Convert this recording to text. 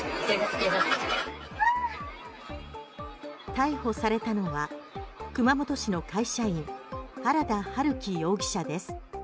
逮捕されたのは熊本市の会社員原田春喜容疑者です。